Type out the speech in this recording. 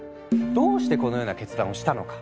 どうしてこのような決断をしたのか？